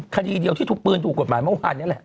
คดีเดียวที่ถูกปืนถูกกฎหมายเมื่อวานนี้แหละ